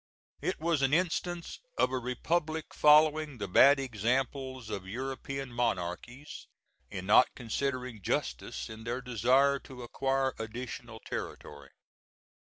It was an instance of a republic following the bad example of European monarchies, in not considering justice in their desire to acquire additional territory.